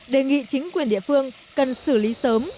đề nghị chính quyền địa phương cần xử lý sớm